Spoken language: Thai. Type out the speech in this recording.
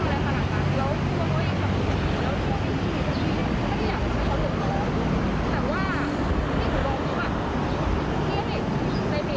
อยากให้รู้ว่าพี่อยากไปสำหรับพี่ก็ไป